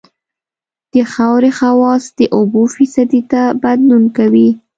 د خاورې خواص د اوبو فیصدي ته بدلون کوي